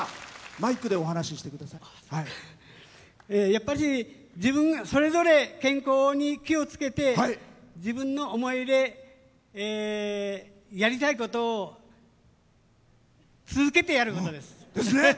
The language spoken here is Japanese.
やっぱり自分がそれぞれ健康に気をつけて自分の思いでやりたいことを続けてやることです。ですね！